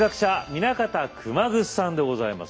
南方熊楠さんでございます。